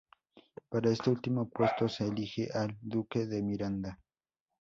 Para este último puesto se elige al duque de Miranda.